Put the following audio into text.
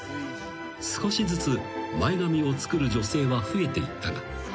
［少しずつ前髪を作る女性は増えていったが］